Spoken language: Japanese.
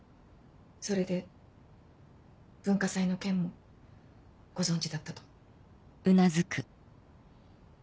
それで文化祭の件もご存じだったと。